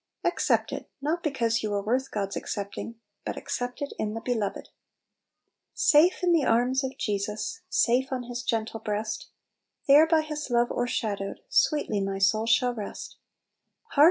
Accepted, not be cause you were worth God's accepting; but " accepted in the Beloved." 14 Little Pillows. "Safe in the arms of Jesus, Safe on His gentle breas*, There, by His love o'ershadowed, Sweetly my soul shall rest Hark